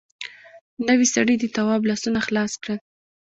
نوي سړي د تواب لاسونه خلاص کړل.